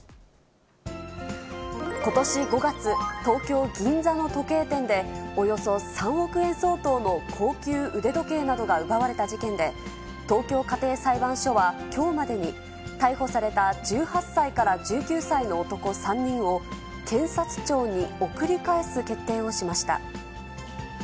ことし５月、東京・銀座の時計店で、およそ３億円相当の高級腕時計などが奪われた事件で、東京家庭裁判所は、きょうまでに逮捕された１８歳から１９歳の男３人を、検察庁に送り返す決定をしました。